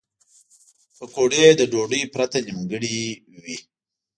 پکورې له ډوډۍ پرته نیمګړې وي